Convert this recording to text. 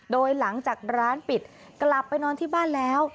โดยหลังจากร้านปิดกลับไปนอนที่บ้านแล้ว